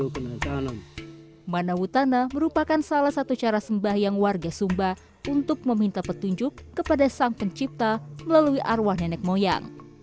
pembelian ayam di sana merupakan salah satu cara sembah yang warga sumba untuk meminta petunjuk kepada sang pencipta melalui arwah nenek moyang